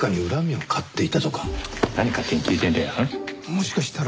もしかしたら。